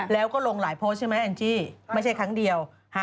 แล้วก็ลงหลายโพสต์ใช่ไหมแองจี้ไม่ใช่ครั้งเดียว